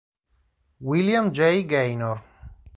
William Jay Gaynor